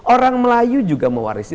orang melayu juga mewarisi